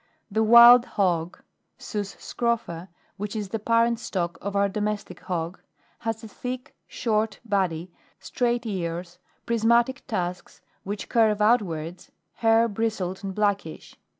5. The Wild Hog, Sus Scropha, which is the parent stock of our Domestic Hog, has a thick, short body, straight ears, prismatic tusks which curve outwards, hair bristled and blackish.